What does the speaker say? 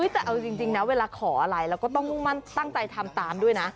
แต่เอาจริงนะเวลาขออะไรเราก็ต้องมุ่งมั่นตั้งใจทำตามด้วยนะ